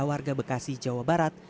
warga bekasi jawa barat